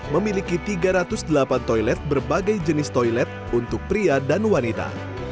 memiliki tiga ratus delapan toilet berbagai jenis toilet untuk pria dan wanita